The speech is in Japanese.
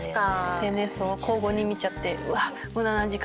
ＳＮＳを交互に見ちゃってうわっ。